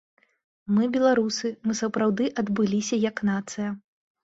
Мы беларусы, мы сапраўды адбыліся як нацыя.